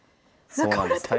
そうなんです。